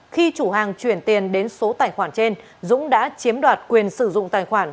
khi chủ hàng chuyển tiền đến số tài khoản trên dũng đã chiếm đoạt quyền sử dụng tài khoản